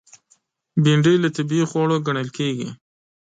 بېنډۍ له طبیعي خوړو ګڼل کېږي